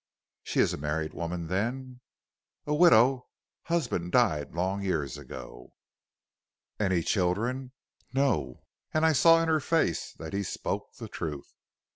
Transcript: "'She is a married woman, then?' "'A widow; husband died long years ago.' "'Any children?' "'No.' And I saw in her face that he spoke the truth.